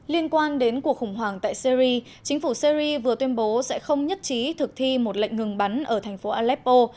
liên quan đến cuộc khủng hoảng tại syri chính phủ syri vừa tuyên bố sẽ không nhất trí thực thi một lệnh ngừng bắn ở thành phố aleppo